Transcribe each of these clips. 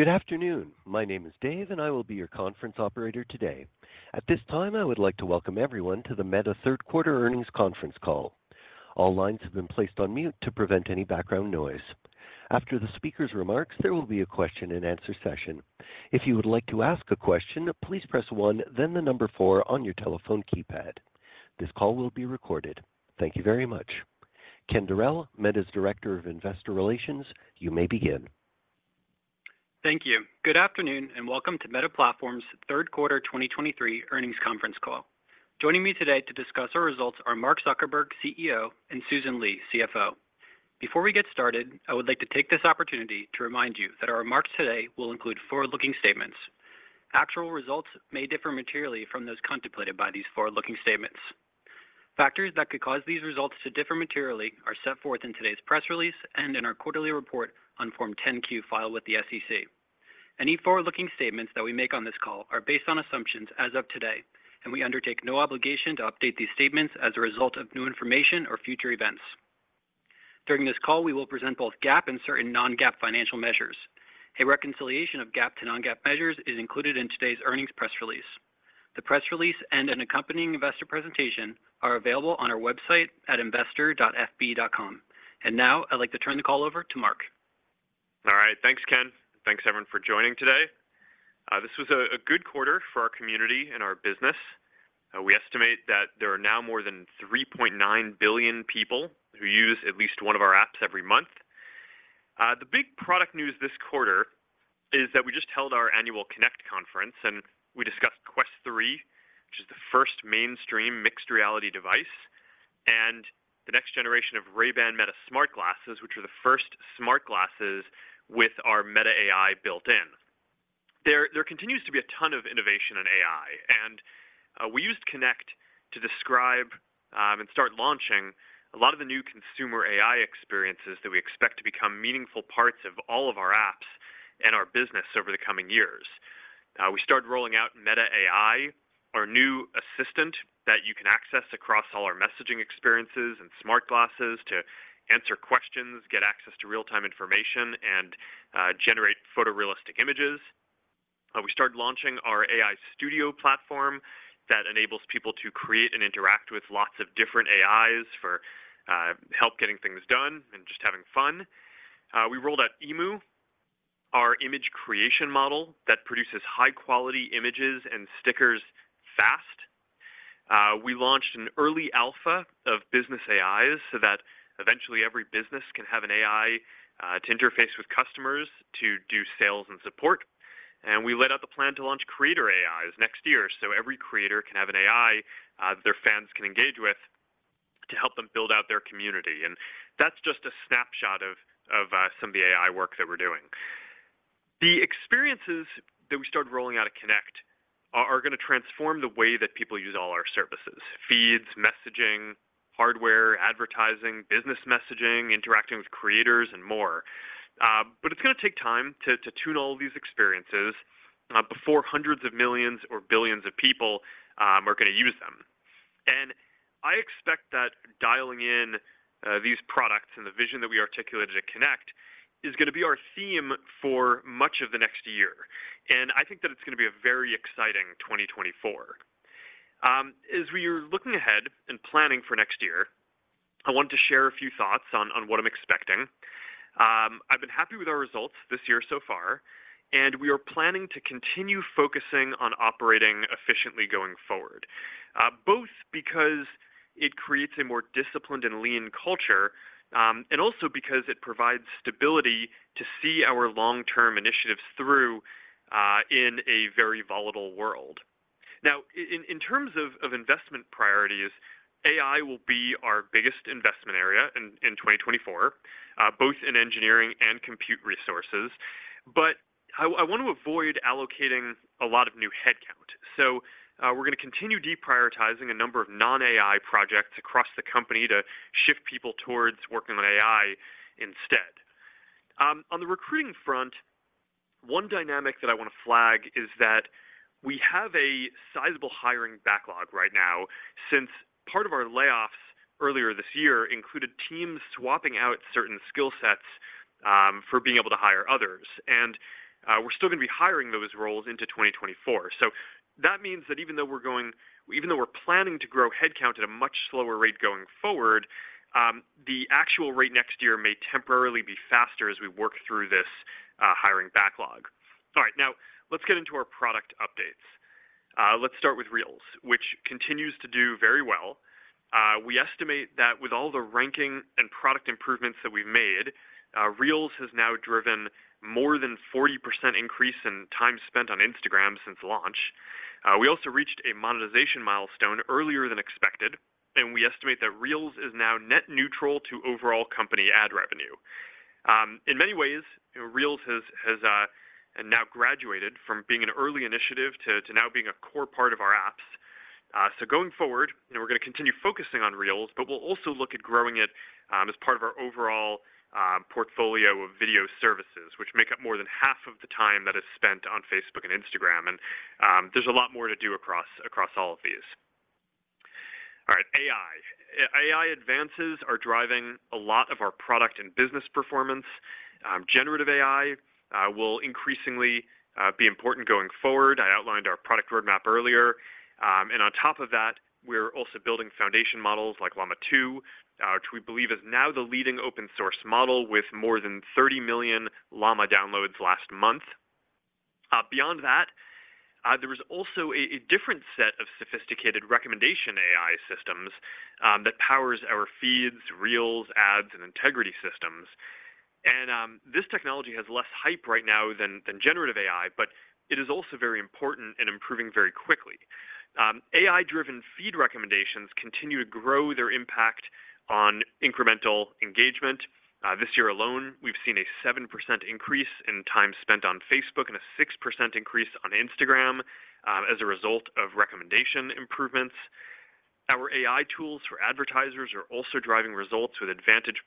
Good afternoon. My name is Dave, and I will be your conference operator today. At this time, I would like to welcome everyone to the Meta Third Quarter Earnings Conference Call. All lines have been placed on mute to prevent any background noise. After the speaker's remarks, there will be a question-and-answer session. If you would like to ask a question, please press one, then the number four on your telephone keypad. This call will be recorded. Thank you very much. Kenneth Dorell, Meta's Director of Investor Relations, you may begin. Thank you. Good afternoon, and welcome to Meta Platforms' third quarter 2023 earnings conference call. Joining me today to discuss our results are Mark Zuckerberg, CEO, and Susan Li, CFO. Before we get started, I would like to take this opportunity to remind you that our remarks today will include forward-looking statements. Actual results may differ materially from those contemplated by these forward-looking statements. Factors that could cause these results to differ materially are set forth in today's press release and in our quarterly report on Form 10-Q filed with the SEC. Any forward-looking statements that we make on this call are based on assumptions as of today, and we undertake no obligation to update these statements as a result of new information or future events. During this call, we will present both GAAP and certain non-GAAP financial measures. A reconciliation of GAAP to non-GAAP measures is included in today's earnings press release. The press release and an accompanying investor presentation are available on our website at investor.fb.com. And now I'd like to turn the call over to Mark. All right. Thanks, Ken. Thanks, everyone, for joining today. This was a good quarter for our community and our business. We estimate that there are now more than 3.9 billion people who use at least one of our apps every month. The big product news this quarter is that we just held our annual Connect conference, and we discussed Quest 3, which is the first mainstream mixed reality device, and the next generation of Ray-Ban Meta smart glasses, which are the first smart glasses with our Meta AI built in. There continues to be a ton of innovation in AI, and we used Connect to describe, and start launching a lot of the new consumer AI experiences that we expect to become meaningful parts of all of our apps and our business over the coming years. We started rolling out Meta AI, our new assistant, that you can access across all our messaging experiences and smart glasses to answer questions, get access to real-time information and generate photorealistic images. We started launching our AI Studio platform that enables people to create and interact with lots of different AIs for help getting things done and just having fun. We rolled out Emu, our image creation model that produces high-quality images and stickers fast. We launched an early alpha of business AIs so that eventually every business can have an AI to interface with customers to do sales and support. We laid out the plan to launch Creator AIs next year, so every creator can have an AI their fans can engage with to help them build out their community. That's just a snapshot of some of the AI work that we're doing. The experiences that we started rolling out at Connect are going to transform the way that people use all our services: Feeds, messaging, hardware, advertising, business messaging, interacting with creators, and more. But it's going to take time to tune all these experiences before hundreds of millions or billions of people are going to use them. And I expect that dialing in these products and the vision that we articulated at Connect is going to be our theme for much of the next year. And I think that it's going to be a very exciting 2024. As we're looking ahead and planning for next year, I want to share a few thoughts on what I'm expecting. I've been happy with our results this year so far, and we are planning to continue focusing on operating efficiently going forward, both because it creates a more disciplined and lean culture, and also because it provides stability to see our long-term initiatives through, in a very volatile world. Now, in terms of investment priorities, AI will be our biggest investment area in 2024, both in engineering and compute resources. But I want to avoid allocating a lot of new headcount. So, we're going to continue deprioritizing a number of non-AI projects across the company to shift people towards working on AI instead. On the recruiting front, one dynamic that I want to flag is that we have a sizable hiring backlog right now, since part of our layoffs earlier this year included teams swapping out certain skill sets for being able to hire others. We're still going to be hiring those roles into 2024. That means that even though we're planning to grow headcount at a much slower rate going forward, the actual rate next year may temporarily be faster as we work through this hiring backlog. All right, now, let's get into our product updates. Let's start with Reels, which continues to do very well. We estimate that with all the ranking and product improvements that we've made, Reels has now driven more than 40% increase in time spent on Instagram since launch. We also reached a monetization milestone earlier than expected, and we estimate that Reels is now net neutral to overall company ad revenue. In many ways, Reels has now graduated from being an early initiative to now being a core part of our apps. So going forward, we're going to continue focusing on Reels, but we'll also look at growing it as part of our overall portfolio of video services, which make up more than half of the time that is spent on Facebook and Instagram. There's a lot more to do across all of these. AI. AI advances are driving a lot of our product and business performance. Generative AI will increasingly be important going forward. I outlined our product roadmap earlier. And on top of that, we're also building foundation models like Llama 2, which we believe is now the leading open source model with more than 30 million Llama downloads last month. Beyond that, there is also a different set of sophisticated recommendation AI systems that powers our Feeds, Reels, ads, and integrity systems. This technology has less hype right now than generative AI, but it is also very important and improving very quickly. AI-driven Feed recommendations continue to grow their impact on incremental engagement. This year alone, we've seen a 7% increase in time spent on Facebook and a 6% increase on Instagram as a result of recommendation improvements. Our AI tools for advertisers are also driving results with Advantage+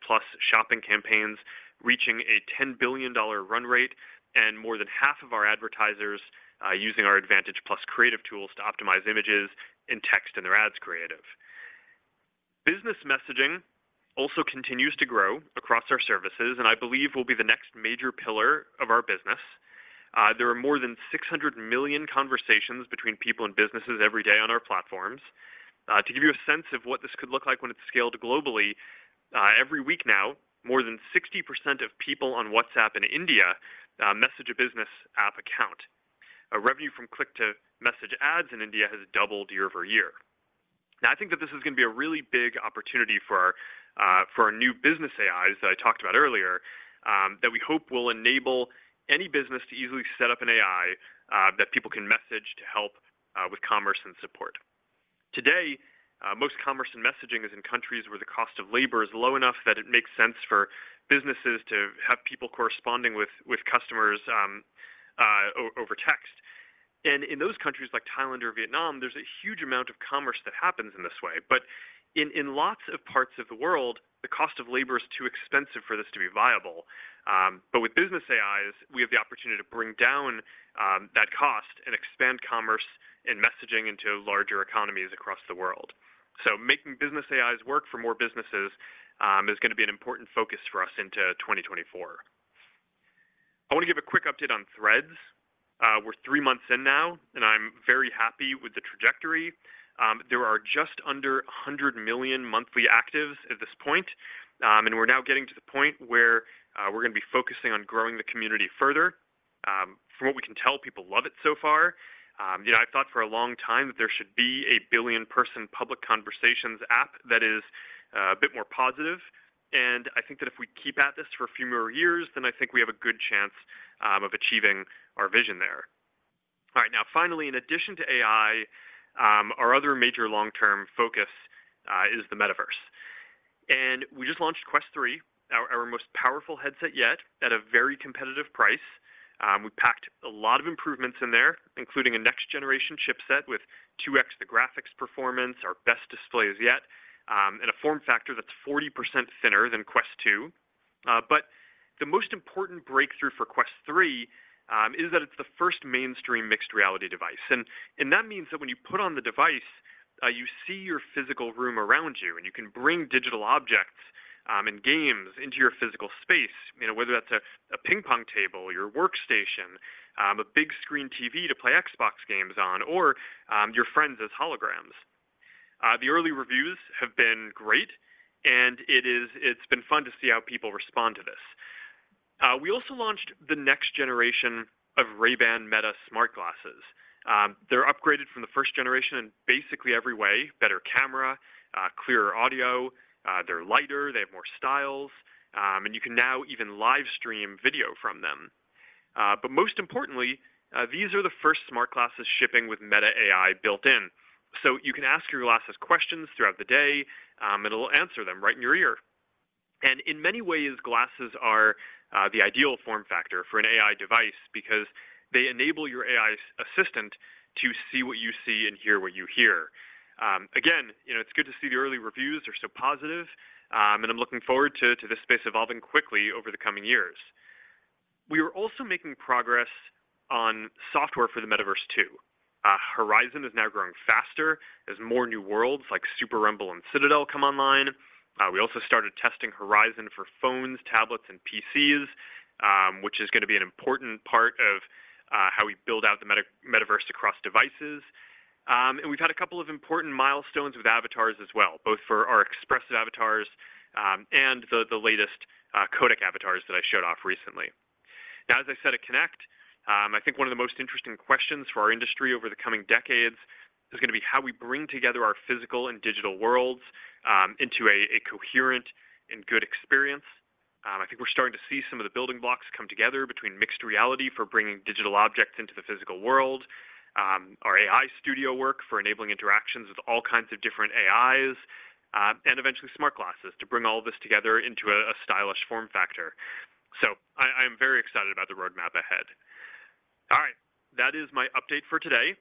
shopping campaigns, reaching a $10 billion run rate, and more than half of our advertisers using our Advantage+ creative tools to optimize images and text in their ad creatives. Business messaging also continues to grow across our services, and I believe will be the next major pillar of our business. There are more than 600 million conversations between people and businesses every day on our platforms. To give you a sense of what this could look like when it's scaled globally, every week now, more than 60% of people on WhatsApp in India message a business account. Ad revenue from click-to-message ads in India has doubled year-over-year. Now, I think that this is going to be a really big opportunity for our new business AIs that I talked about earlier, that we hope will enable any business to easily set up an AI that people can message to help with commerce and support. Today, most commerce and messaging is in countries where the cost of labor is low enough that it makes sense for businesses to have people corresponding with customers over text. And in those countries, like Thailand or Vietnam, there's a huge amount of commerce that happens in this way. But in lots of parts of the world, the cost of labor is too expensive for this to be viable. But with business AIs, we have the opportunity to bring down that cost and expand commerce and messaging into larger economies across the world. So making business AIs work for more businesses is going to be an important focus for us into 2024. I want to give a quick update on Threads. We're three months in now, and I'm very happy with the trajectory. There are just under 100 million monthly actives at this point, and we're now getting to the point where we're going to be focusing on growing the community further. From what we can tell, people love it so far. You know, I've thought for a long time that there should be a billion-person public conversations app that is, a bit more positive, and I think that if we keep at this for a few more years, then I think we have a good chance, of achieving our vision there. All right, now, finally, in addition to AI, our other major long-term focus, is the metaverse. And we just launched Quest 3, our, our most powerful headset yet, at a very competitive price. We packed a lot of improvements in there, including a next-generation chip set with 2x the graphics performance, our best displays yet, and a form factor that's 40% thinner than Quest 2. But the most important breakthrough for Quest 3, is that it's the first mainstream mixed reality device. And that means that when you put on the device, you see your physical room around you, and you can bring digital objects and games into your physical space, you know, whether that's a ping pong table, your workstation, a big screen TV to play Xbox games on, or your friends as holograms. The early reviews have been great, and it's been fun to see how people respond to this. We also launched the next generation of Ray-Ban Meta smart glasses. They're upgraded from the first generation in basically every way: better camera, clearer audio, they're lighter, they have more styles, and you can now even live stream video from them. But most importantly, these are the first smart glasses shipping with Meta AI built-in. You can ask your glasses questions throughout the day, and it'll answer them right in your ear. In many ways, glasses are the ideal form factor for an AI device because they enable your AI assistant to see what you see and hear what you hear. Again, you know, it's good to see the early reviews are so positive, and I'm looking forward to this space evolving quickly over the coming years. We are also making progress on software for the metaverse, too. Horizon is now growing faster as more new worlds like Super Rumble and Citadel come online. We also started testing Horizon for phones, tablets, and PCs, which is going to be an important part of how we build out the metaverse across devices. And we've had a couple of important milestones with avatars as well, both for our expressive avatars, and the latest codec avatars that I showed off recently. Now, as I said at Connect, I think one of the most interesting questions for our industry over the coming decades is going to be how we bring together our physical and digital worlds into a coherent and good experience. I think we're starting to see some of the building blocks come together between mixed reality for bringing digital objects into the physical world, our AI Studio work for enabling interactions with all kinds of different AIs, and eventually smart glasses to bring all this together into a stylish form factor. So I'm very excited about the roadmap ahead. All right. That is my update for today.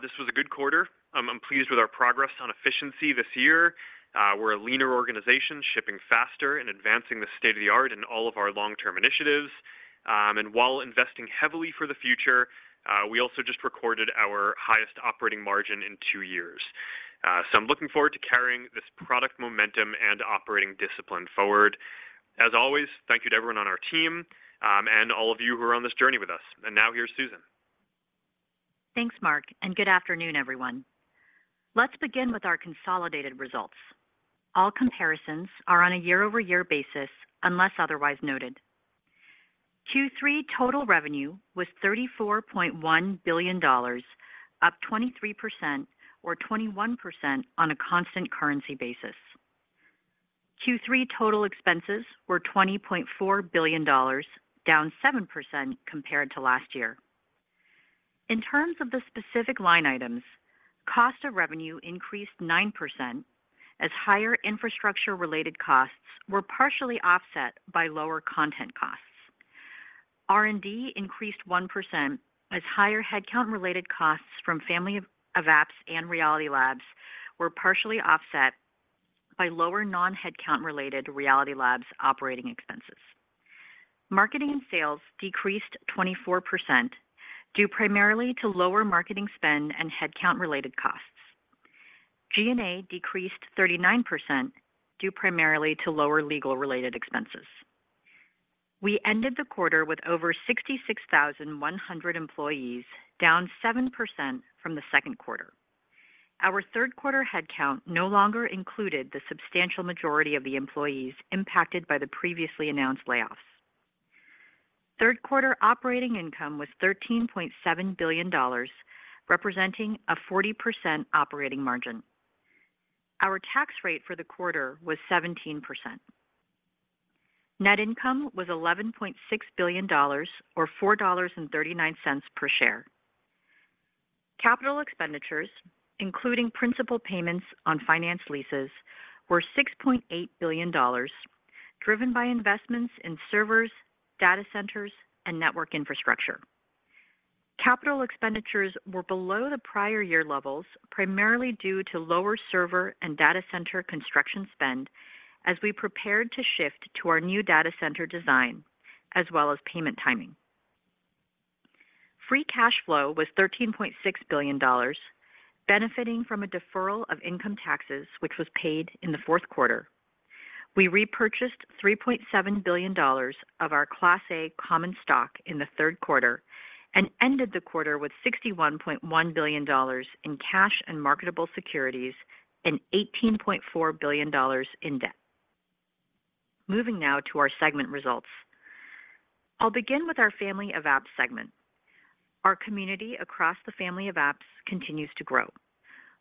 This was a good quarter. I'm pleased with our progress on efficiency this year. We're a leaner organization, shipping faster and advancing the state of the art in all of our long-term initiatives. And while investing heavily for the future, we also just recorded our highest operating margin in two years... So I'm looking forward to carrying this product momentum and operating discipline forward. As always, thank you to everyone on our team, and all of you who are on this journey with us. Now, here's Susan. Thanks, Mark, and good afternoon, everyone. Let's begin with our consolidated results. All comparisons are on a year-over-year basis, unless otherwise noted. Q3 total revenue was $34.1 billion, up 23% or 21% on a constant currency basis. Q3 total expenses were $20.4 billion, down 7% compared to last year. In terms of the specific line items, cost of revenue increased 9%, as higher infrastructure-related costs were partially offset by lower content costs. R&D increased 1%, as higher headcount-related costs from Family of Apps and Reality Labs were partially offset by lower non-headcount-related Reality Labs operating expenses. Marketing and sales decreased 24%, due primarily to lower marketing spend and headcount-related costs. G&A decreased 39%, due primarily to lower legal-related expenses. We ended the quarter with over 66,100 employees, down 7% from the second quarter. Our third quarter headcount no longer included the substantial majority of the employees impacted by the previously announced layoffs. Third quarter operating income was $13.7 billion, representing a 40% operating margin. Our tax rate for the quarter was 17%. Net income was $11.6 billion or $4.39 per share. Capital expenditures, including principal payments on finance leases, were $6.8 billion, driven by investments in servers, data centers, and network infrastructure. Capital expenditures were below the prior year levels, primarily due to lower server and data center construction spend as we prepared to shift to our new data center design, as well as payment timing. Free cash flow was $13.6 billion, benefiting from a deferral of income taxes, which was paid in the fourth quarter. We repurchased $3.7 billion of our Class A common stock in the third quarter and ended the quarter with $61.1 billion in cash and marketable securities and $18.4 billion in debt. Moving now to our segment results. I'll begin with our Family of Apps segment. Our community across the Family of Apps continues to grow.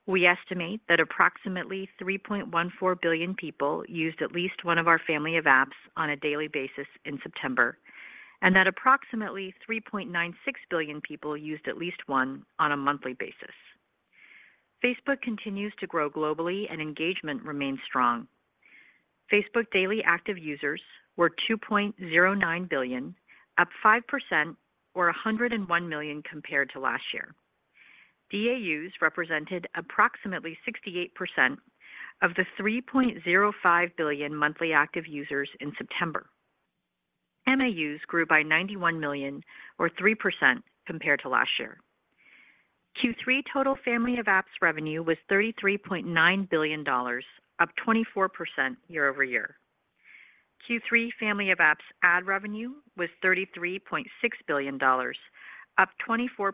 We estimate that approximately 3.14 billion people used at least one of our Family of Apps on a daily basis in September, and that approximately 3.96 billion people used at least one on a monthly basis. Facebook continues to grow globally and engagement remains strong. Facebook daily active users were 2.09 billion, up 5% or 101 million compared to last year. DAUs represented approximately 68% of the 3.05 billion monthly active users in September. MAUs grew by 91 million, or 3% compared to last year. Q3 total Family of Apps revenue was $33.9 billion, up 24% year-over-year. Q3 Family of Apps ad revenue was $33.6 billion, up 24% or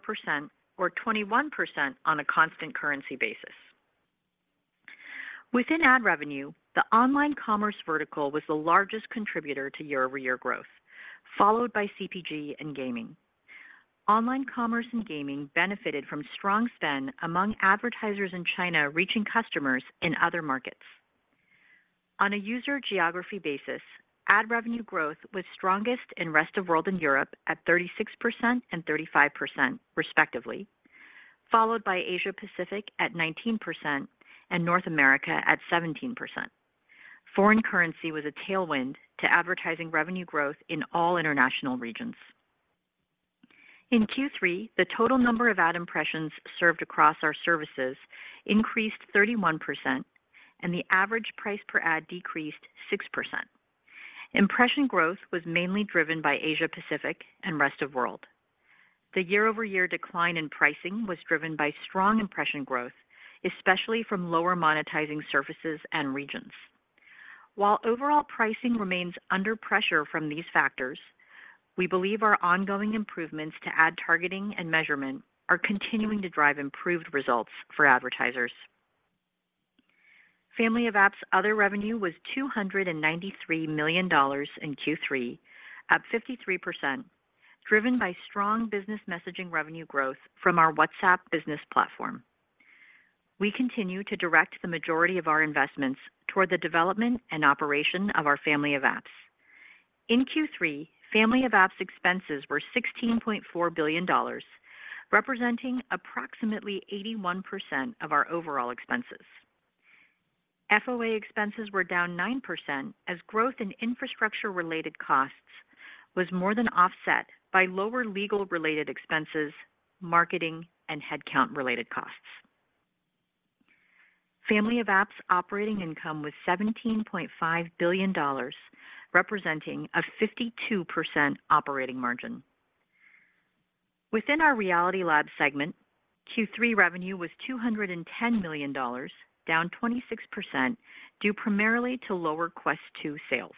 21% on a constant currency basis. Within ad revenue, the online commerce vertical was the largest contributor to year-over-year growth, followed by CPG and gaming. Online commerce and gaming benefited from strong spend among advertisers in China, reaching customers in other markets. On a user geography basis, ad revenue growth was strongest in Rest of World and Europe at 36% and 35%, respectively, followed by Asia Pacific at 19% and North America at 17%. Foreign currency was a tailwind to advertising revenue growth in all international regions. In Q3, the total number of ad impressions served across our services increased 31%, and the average price per ad decreased 6%. Impression growth was mainly driven by Asia Pacific and Rest of World. The year-over-year decline in pricing was driven by strong impression growth, especially from lower monetizing surfaces and regions. While overall pricing remains under pressure from these factors, we believe our ongoing improvements to ad targeting and measurement are continuing to drive improved results for advertisers. Family of Apps other revenue was $293 million in Q3, up 53%, driven by strong business messaging revenue growth from our WhatsApp Business Platform. We continue to direct the majority of our investments toward the development and operation of our Family of Apps. In Q3, Family of Apps expenses were $16.4 billion, representing approximately 81% of our overall expenses. FOA expenses were down 9%, as growth in infrastructure-related costs was more than offset by lower legal-related expenses, marketing, and headcount-related costs. Family of Apps operating income was $17.5 billion, representing a 52% operating margin. Within our Reality Labs segment, Q3 revenue was $210 million, down 26% due primarily to lower Quest 2 sales.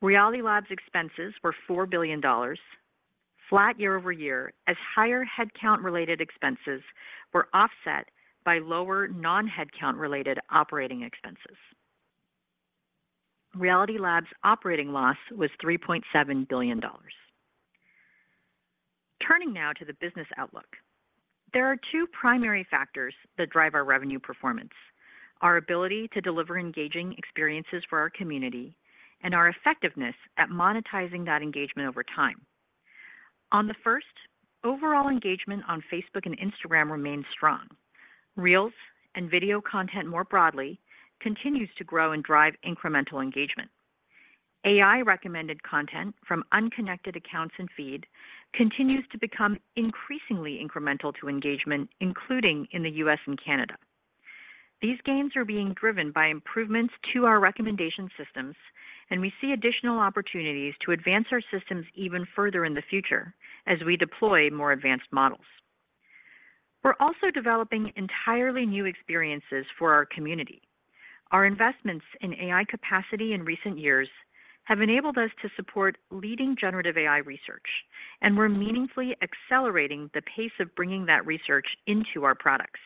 Reality Labs expenses were $4 billion, flat year-over-year, as higher headcount related expenses were offset by lower non-headcount related operating expenses. Reality Labs operating loss was $3.7 billion. Turning now to the business outlook. There are two primary factors that drive our revenue performance: our ability to deliver engaging experiences for our community and our effectiveness at monetizing that engagement over time. On the first, overall engagement on Facebook and Instagram remains strong. Reels and video content more broadly continues to grow and drive incremental engagement. AI recommended content from unconnected accounts and Feed continues to become increasingly incremental to engagement, including in the U.S. and Canada. These gains are being driven by improvements to our recommendation systems, and we see additional opportunities to advance our systems even further in the future as we deploy more advanced models. We're also developing entirely new experiences for our community. Our investments in AI capacity in recent years have enabled us to support leading generative AI research, and we're meaningfully accelerating the pace of bringing that research into our products.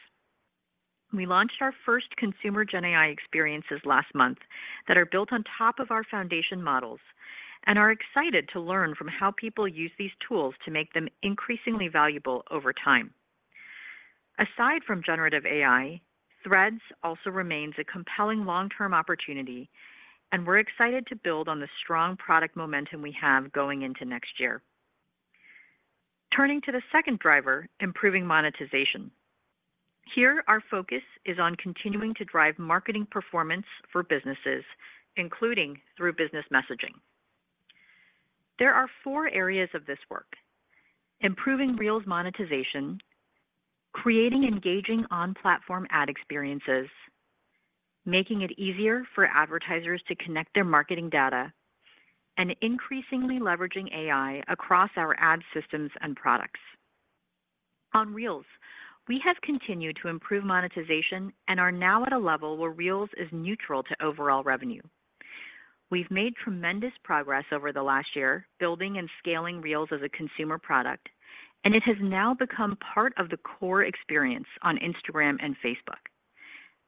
We launched our first consumer Gen AI experiences last month that are built on top of our foundation models, and are excited to learn from how people use these tools to make them increasingly valuable over time. Aside from generative AI, Threads also remains a compelling long-term opportunity, and we're excited to build on the strong product momentum we have going into next year. Turning to the second driver, improving monetization. Here, our focus is on continuing to drive marketing performance for businesses, including through business messaging. There are four areas of this work: improving Reels monetization, creating engaging on-platform ad experiences, making it easier for advertisers to connect their marketing data, and increasingly leveraging AI across our ad systems and products. On Reels, we have continued to improve monetization and are now at a level where Reels is neutral to overall revenue. We've made tremendous progress over the last year, building and scaling Reels as a consumer product, and it has now become part of the core experience on Instagram and Facebook.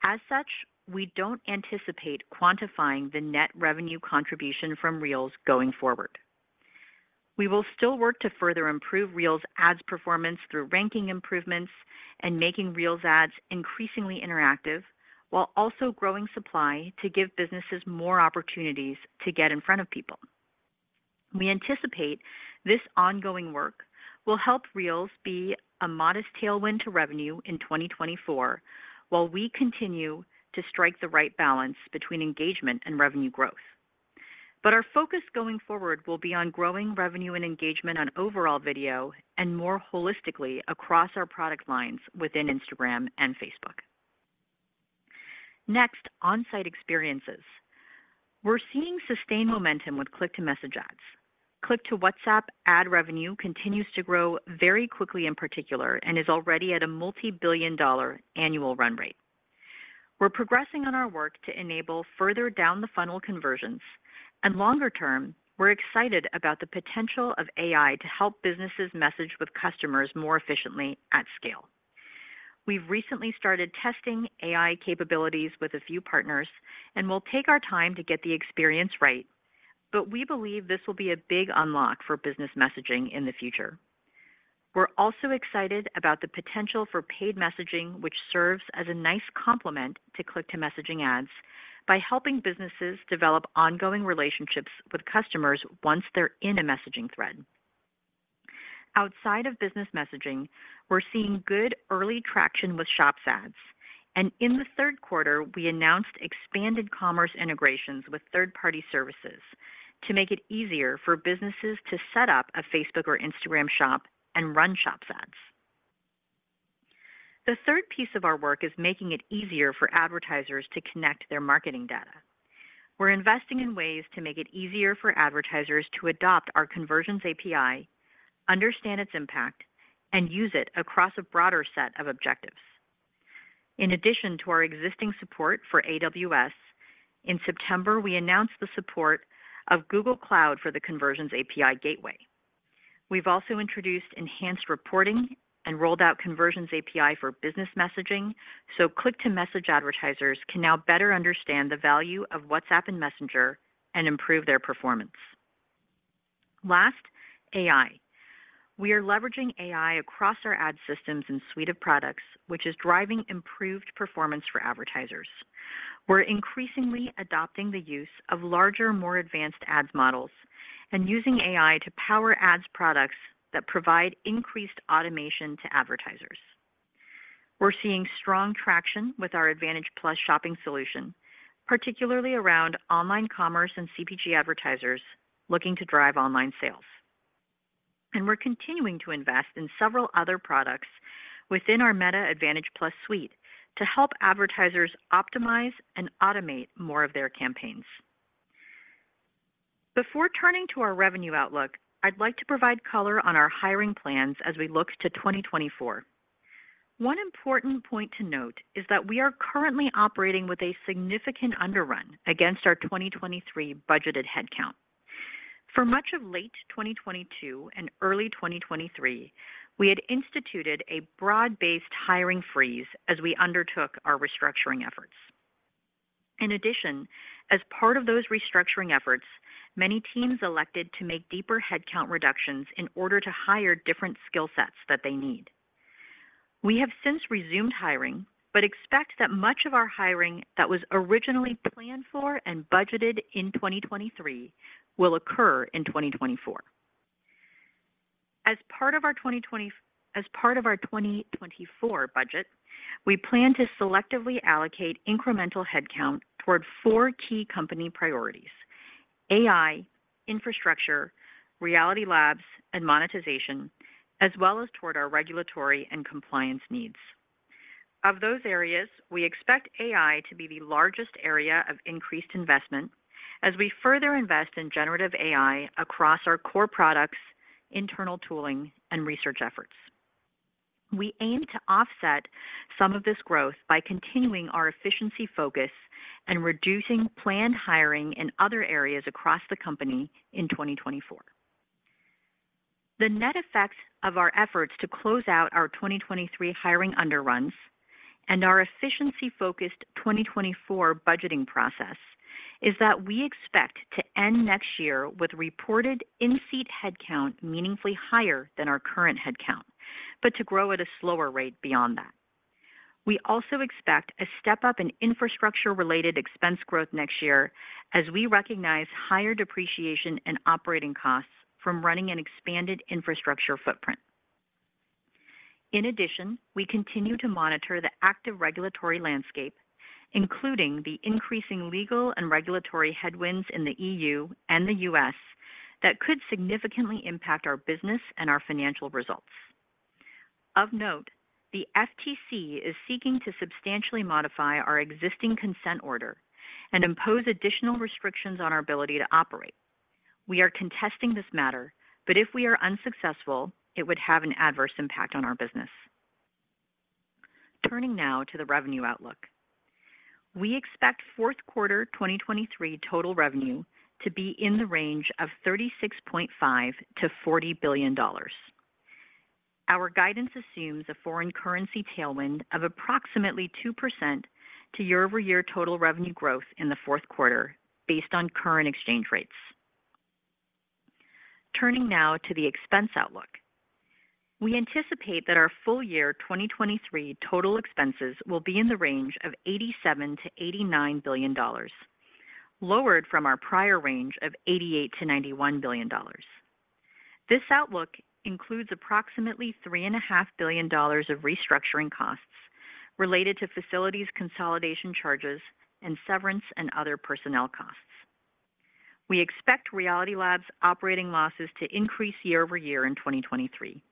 As such, we don't anticipate quantifying the net revenue contribution from Reels going forward. We will still work to further improve Reels ads performance through ranking improvements and making Reels ads increasingly interactive, while also growing supply to give businesses more opportunities to get in front of people. We anticipate this ongoing work will help Reels be a modest tailwind to revenue in 2024, while we continue to strike the right balance between engagement and revenue growth. But our focus going forward will be on growing revenue and engagement on overall video and more holistically across our product lines within Instagram and Facebook. Next, on-site experiences. We're seeing sustained momentum with click-to-message ads. Click-to-WhatsApp ad revenue continues to grow very quickly in particular, and is already at a $ multi-billion annual run rate. We're progressing on our work to enable further down the funnel conversions, and longer term, we're excited about the potential of AI to help businesses message with customers more efficiently at scale. We've recently started testing AI capabilities with a few partners, and we'll take our time to get the experience right, but we believe this will be a big unlock for business messaging in the future. We're also excited about the potential for paid messaging, which serves as a nice complement to Click-to-message ads by helping businesses develop ongoing relationships with customers once they're in a messaging thread. Outside of business messaging, we're seeing good early traction with Shops ads, and in the third quarter, we announced expanded commerce integrations with third-party services to make it easier for businesses to set up a Facebook or Instagram shop and run Shops ads. The third piece of our work is making it easier for advertisers to connect their marketing data. We're investing in ways to make it easier for advertisers to adopt our Conversions API, understand its impact, and use it across a broader set of objectives. In addition to our existing support for AWS, in September, we announced the support of Google Cloud for the Conversions API Gateway. We've also introduced enhanced reporting and rolled out Conversions API for business messaging, so click-to-message advertisers can now better understand the value of WhatsApp and Messenger and improve their performance. Last, AI. We are leveraging AI across our ad systems and suite of products, which is driving improved performance for advertisers. We're increasingly adopting the use of larger, more advanced ads models, and using AI to power ads products that provide increased automation to advertisers. We're seeing strong traction with our Advantage+ shopping solution, particularly around online commerce and CPG advertisers looking to drive online sales. We're continuing to invest in several other products within our Meta Advantage+ suite to help advertisers optimize and automate more of their campaigns. Before turning to our revenue outlook, I'd like to provide color on our hiring plans as we look to 2024. One important point to note is that we are currently operating with a significant underrun against our 2023 budgeted headcount. For much of late 2022 and early 2023, we had instituted a broad-based hiring freeze as we undertook our restructuring efforts. In addition, as part of those restructuring efforts, many teams elected to make deeper headcount reductions in order to hire different skill sets that they need. We have since resumed hiring, but expect that much of our hiring that was originally planned for and budgeted in 2023 will occur in 2024. As part of our 2024 budget, we plan to selectively allocate incremental headcount toward four key company priorities: AI, infrastructure, Reality Labs, and monetization, as well as toward our regulatory and compliance needs. Of those areas, we expect AI to be the largest area of increased investment as we further invest in generative AI across our core products, internal tooling, and research efforts. We aim to offset some of this growth by continuing our efficiency focus and reducing planned hiring in other areas across the company in 2024. The net effect of our efforts to close out our 2023 hiring underruns and our efficiency-focused 2024 budgeting process is that we expect to end next year with reported in-seat headcount meaningfully higher than our current headcount, but to grow at a slower rate beyond that. We also expect a step-up in infrastructure-related expense growth next year as we recognize higher depreciation and operating costs from running an expanded infrastructure footprint. In addition, we continue to monitor the active regulatory landscape, including the increasing legal and regulatory headwinds in the EU and the U.S., that could significantly impact our business and our financial results. Of note, the FTC is seeking to substantially modify our existing consent order and impose additional restrictions on our ability to operate. We are contesting this matter, but if we are unsuccessful, it would have an adverse impact on our business. Turning now to the revenue outlook. We expect fourth quarter 2023 total revenue to be in the range of $36.5 billion-$40 billion. Our guidance assumes a foreign currency tailwind of approximately 2% to year-over-year total revenue growth in the fourth quarter based on current exchange rates. Turning now to the expense outlook. We anticipate that our full year 2023 total expenses will be in the range of $87 billion-$89 billion, lowered from our prior range of $88 billion-$91 billion. This outlook includes approximately $3.5 billion of restructuring costs related to facilities consolidation charges and severance and other personnel costs. We expect Reality Labs operating losses to increase year over year in 2023.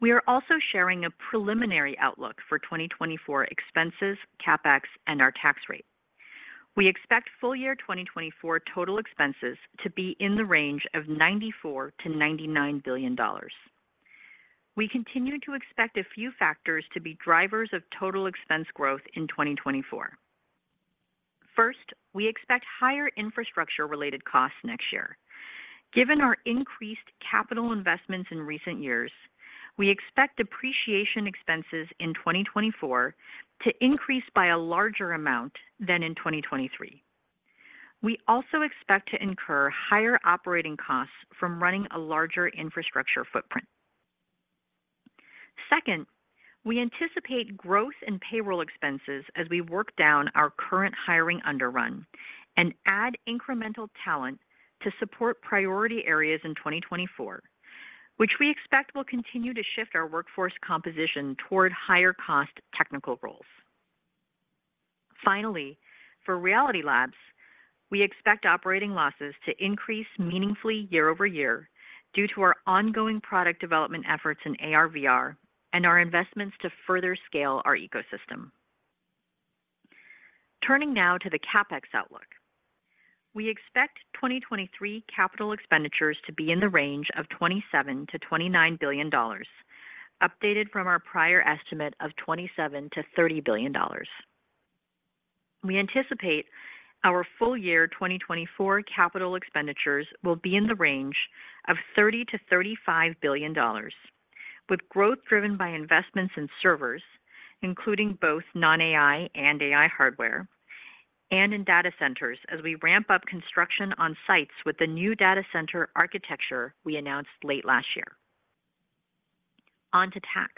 We are also sharing a preliminary outlook for 2024 expenses, CapEx, and our tax rate. We expect full year 2024 total expenses to be in the range of $94 billion-$99 billion. We continue to expect a few factors to be drivers of total expense growth in 2024. First, we expect higher infrastructure-related costs next year. Given our increased capital investments in recent years, we expect depreciation expenses in 2024 to increase by a larger amount than in 2023. We also expect to incur higher operating costs from running a larger infrastructure footprint. Second, we anticipate growth in payroll expenses as we work down our current hiring underrun and add incremental talent to support priority areas in 2024, which we expect will continue to shift our workforce composition toward higher cost technical roles. Finally, for Reality Labs, we expect operating losses to increase meaningfully year over year due to our ongoing product development efforts in AR/VR and our investments to further scale our ecosystem. Turning now to the CapEx outlook. We expect 2023 capital expenditures to be in the range of $27 billion-$29 billion, updated from our prior estimate of $27 billion-$30 billion. We anticipate our full year 2024 capital expenditures will be in the range of $30 billion-$35 billion, with growth driven by investments in servers, including both non-AI and AI hardware, and in data centers as we ramp up construction on sites with the new data center architecture we announced late last year. On to tax.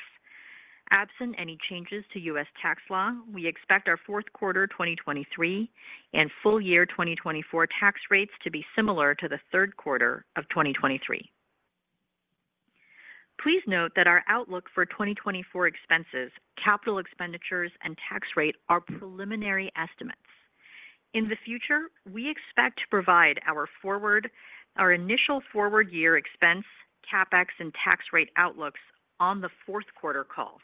Absent any changes to U.S. tax law, we expect our fourth quarter 2023 and full year 2024 tax rates to be similar to the third quarter of 2023. Please note that our outlook for 2024 expenses, capital expenditures, and tax rate are preliminary estimates. In the future, we expect to provide our initial forward-year expense, CapEx, and tax rate outlooks on the fourth quarter call.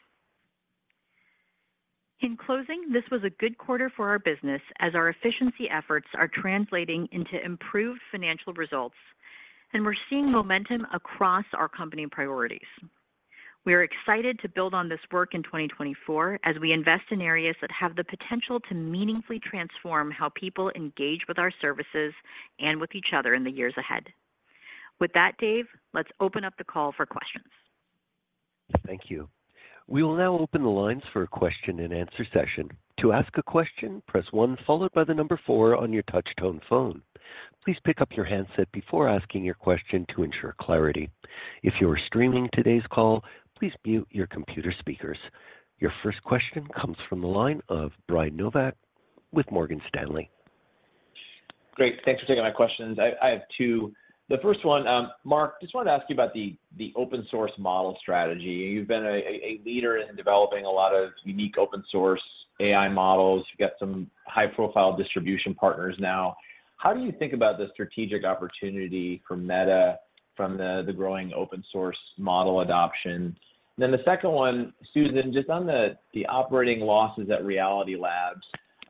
In closing, this was a good quarter for our business as our efficiency efforts are translating into improved financial results, and we're seeing momentum across our company priorities. We are excited to build on this work in 2024 as we invest in areas that have the potential to meaningfully transform how people engage with our services and with each other in the years ahead. With that, Dave, let's open up the call for questions. Thank you. We will now open the lines for a question-and-answer session. To ask a question, press one, followed by the number four on your touch-tone phone. Please pick up your handset before asking your question to ensure clarity. If you are streaming today's call, please mute your computer speakers. Your first question comes from the line of Brian Nowak with Morgan Stanley. Great. Thanks for taking my questions. I have two. The first one, Mark, just wanted to ask you about the open-source model strategy. You've been a leader in developing a lot of unique open-source AI models. You've got some high-profile distribution partners now. How do you think about the strategic opportunity for Meta from the growing open-source model adoption? Then the second one, Susan, just on the operating losses at Reality Labs,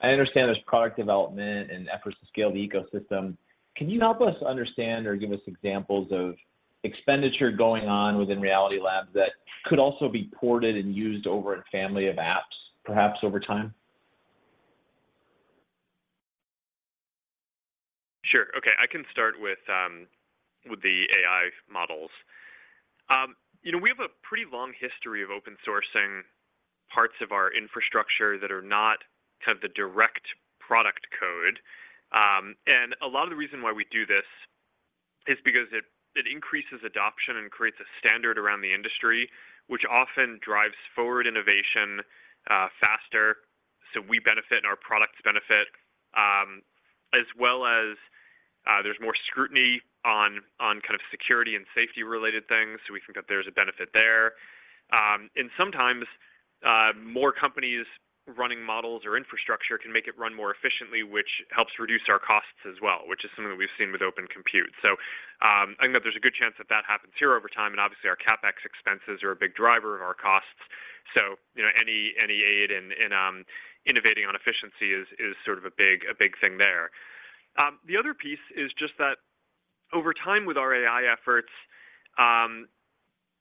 I understand there's product development and efforts to scale the ecosystem. Can you help us understand or give us examples of expenditure going on within Reality Labs that could also be ported and used over a Family of Apps, perhaps over time? Sure. Okay, I can start with the AI models. You know, we have a pretty long history of open sourcing parts of our infrastructure that are not kind of the direct product code. And a lot of the reason why we do this is because it increases adoption and creates a standard around the industry, which often drives forward innovation faster. So we benefit, and our products benefit. As well as, there's more scrutiny on kind of security and safety-related things, so we think that there's a benefit there. And sometimes, more companies running models or infrastructure can make it run more efficiently, which helps reduce our costs as well, which is something that we've seen with Open Compute. So, I think that there's a good chance that that happens here over time, and obviously, our CapEx expenses are a big driver of our costs. So, you know, any aid in innovating on efficiency is sort of a big thing there. The other piece is just that over time, with our AI efforts,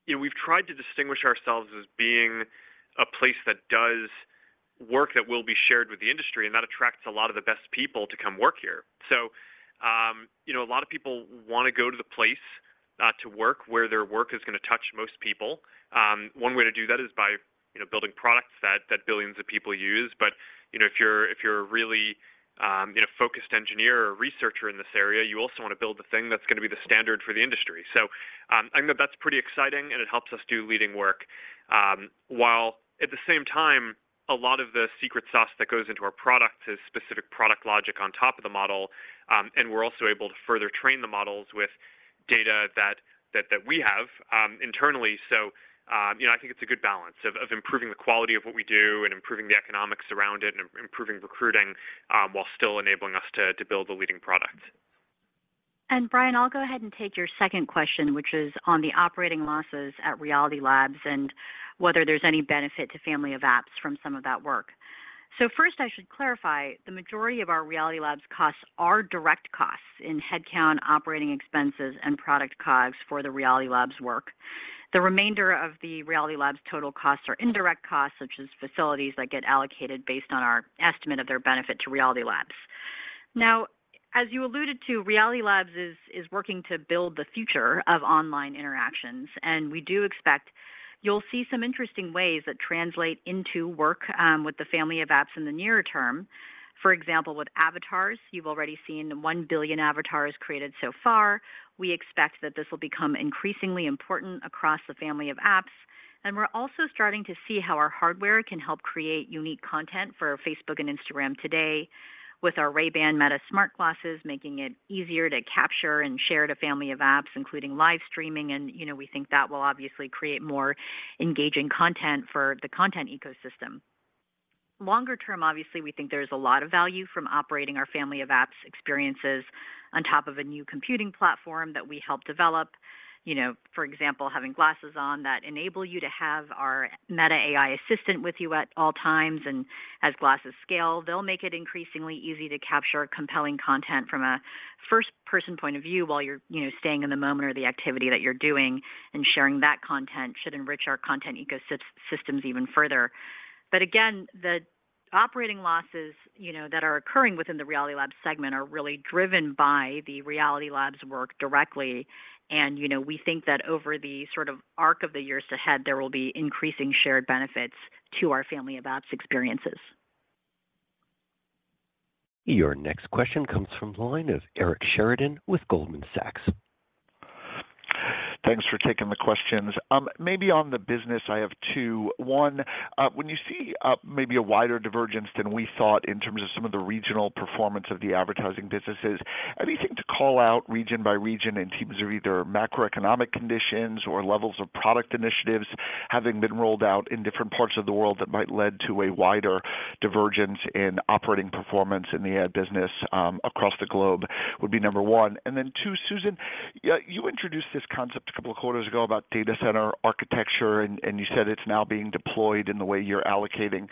you know, we've tried to distinguish ourselves as being a place that does work that will be shared with the industry, and that attracts a lot of the best people to come work here. So, you know, a lot of people want to go to the place to work, where their work is gonna touch most people. One way to do that is by, you know, building products that billions of people use. But, you know, if you're a really, you know, focused engineer or researcher in this area, you also want to build the thing that's gonna be the standard for the industry. So, I think that that's pretty exciting, and it helps us do leading work. While at the same time, a lot of the secret sauce that goes into our products is specific product logic on top of the model. And we're also able to further train the models with data that we have internally. So, you know, I think it's a good balance of improving the quality of what we do and improving the economics around it and improving recruiting while still enabling us to build a leading product. Brian, I'll go ahead and take your second question, which is on the operating losses at Reality Labs and whether there's any benefit to Family of Apps from some of that work. So first, I should clarify, the majority of our Reality Labs costs are direct costs in headcount, operating expenses, and product COGS for the Reality Labs work. The remainder of the Reality Labs' total costs are indirect costs, such as facilities that get allocated based on our estimate of their benefit to Reality Labs. Now, as you alluded to, Reality Labs is working to build the future of online interactions, and we do expect you'll see some interesting ways that translate into work with the Family of Apps in the nearer term. For example, with avatars, you've already seen 1 billion avatars created so far. We expect that this will become increasingly important across the Family of Apps, and we're also starting to see how our hardware can help create unique content for Facebook and Instagram today, with our Ray-Ban Meta smart glasses, making it easier to capture and share to Family of Apps, including live streaming. And, you know, we think that will obviously create more engaging content for the content ecosystem. Longer term, obviously, we think there's a lot of value from operating our Family of Apps experiences on top of a new computing platform that we helped develop. You know, for example, having glasses on that enable you to have our Meta AI assistant with you at all times, and as glasses scale, they'll make it increasingly easy to capture compelling content from a first-person point of view while you're, you know, staying in the moment or the activity that you're doing, and sharing that content should enrich our content ecosystems even further. But again, the operating losses, you know, that are occurring within the Reality Labs segment are really driven by the Reality Labs work directly. And, you know, we think that over the sort of arc of the years ahead, there will be increasing shared benefits to our Family of Apps experiences. Your next question comes from the line of Eric Sheridan with Goldman Sachs. Thanks for taking the questions. Maybe on the business, I have two. One, when you see maybe a wider divergence than we thought in terms of some of the regional performance of the advertising businesses, anything to call out region by region in terms of either macroeconomic conditions or levels of product initiatives having been rolled out in different parts of the world that might led to a wider divergence in operating performance in the ad business across the globe? Would be number one. And then two, Susan, you introduced this concept a couple of quarters ago about data center architecture, and you said it's now being deployed in the way you're allocating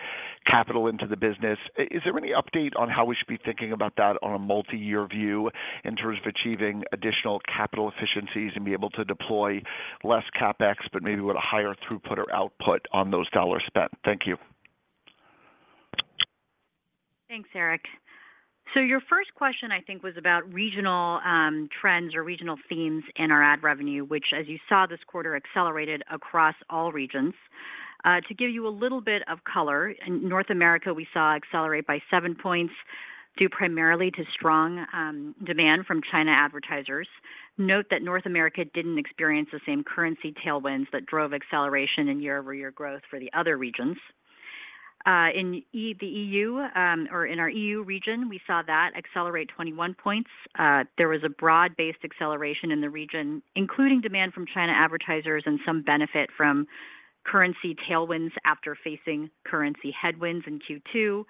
capital into the business. Is there any update on how we should be thinking about that on a multi-year view in terms of achieving additional capital efficiencies and be able to deploy less CapEx, but maybe with a higher throughput or output on those dollars spent? Thank you. Thanks, Eric. So your first question, I think, was about regional trends or regional themes in our ad revenue, which, as you saw this quarter, accelerated across all regions. To give you a little bit of color, in North America, we saw accelerate by 7 points due primarily to strong demand from China advertisers. Note that North America didn't experience the same currency tailwinds that drove acceleration in year-over-year growth for the other regions. In the EU, or in our EU region, we saw that accelerate 21 points. There was a broad-based acceleration in the region, including demand from China advertisers and some benefit from currency tailwinds after facing currency headwinds in Q2.